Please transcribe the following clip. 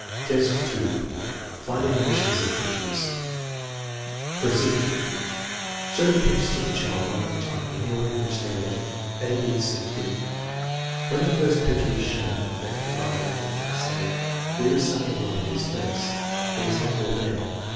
VI, 2. Finding omissions in pictures Procedure. Show the pictures to the child one at a time in the order in which they are lettered, a, 6, c, d. When the first picture is shown (that with the eye lacking), say: There is something wrong with this face. It is not all there.